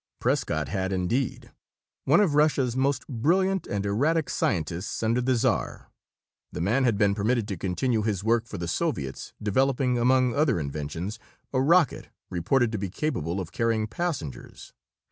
Prescott had indeed. One of Russia's most brilliant and erratic scientists under the czar, the man had been permitted to continue his work for the Soviets, developing among other inventions, a rocket reported to be capable of carrying passengers.